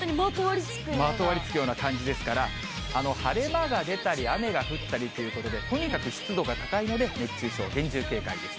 まとわりつくような感じですから、晴れ間が出たり、雨が降ったりということで、とにかく湿度が高いので、熱中症厳重警戒です。